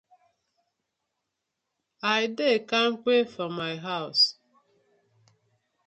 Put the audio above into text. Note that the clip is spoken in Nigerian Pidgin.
I dey kampe for my hawz.